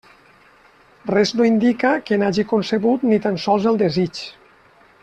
Res no indica que n'hagi concebut ni tan sols el desig.